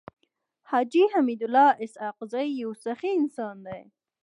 حاجي حميدالله اسحق زی يو سخي انسان دی.